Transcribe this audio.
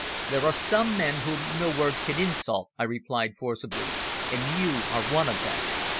"There are some men whom no words can insult," I replied forcibly. "And you are one of them."